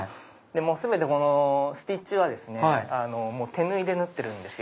全てステッチは手縫いで縫ってるんですよ。